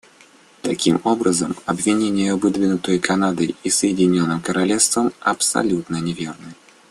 Таким образом, обвинения, выдвинутые Канадой и Соединенным Королевством, абсолютно неверны.